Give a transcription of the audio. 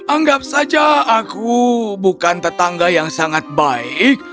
anggap saja aku bukan tetangga yang sangat baik